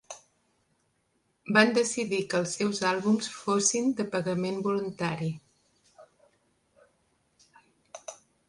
Van decidir que els seus àlbums fossin de pagament voluntari.